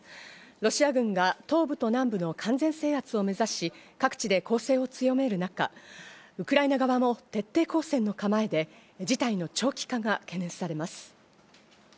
ロシア軍が東部と南部の完全制圧を目指し、各地で攻勢を強める中、ウクライナ側は徹底抗戦の構えで、事態の長期化が懸念されます。